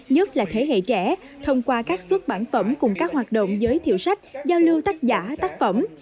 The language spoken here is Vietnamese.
nhất là thế hệ trẻ thông qua các xuất bản phẩm cùng các hoạt động giới thiệu sách giao lưu tác giả tác phẩm